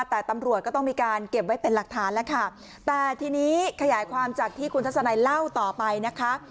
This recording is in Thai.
แต่ตำรวจก็ต้องมีการเก็บไว้เป็นหลักฐานแล้วค่ะแต่ทีนี้ขยายความจากที่คุณทัศนัยเล่าต่อไปนะคะ